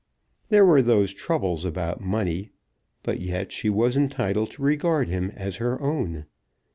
There were those troubles about money, but yet she was entitled to regard him as her own.